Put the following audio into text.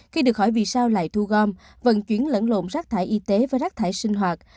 khi được hỏi vì sao lại thu gom vận chuyển lẫn lộn rác thải y tế với rác thải sinh hoạt